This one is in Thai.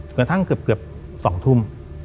กระทั่งเกือบ๒ทุ่ม